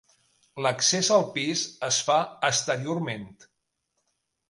L'accés al pis es fa exteriorment.